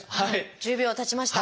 １０秒たちました。